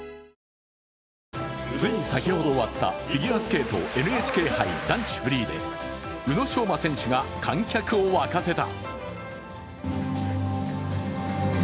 つい先ほど終わったフィギュアスケートＮＨＫ杯男子フリーで宇野昌磨選手が観客を沸かせた。